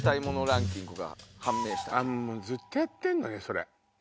ずっとやってんのよそれ。